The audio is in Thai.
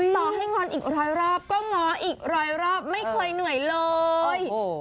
ต่อให้งอนอีกร้อยรอบก็ง้ออีกร้อยรอบไม่เคยเหนื่อยเลย